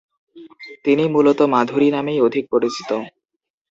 তিনি মূলতঃ মাধুরী নামেই অধিক পরিচিত।